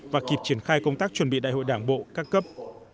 và kịp triển khai công tác chuẩn bị đại hội đảng bộ các cấp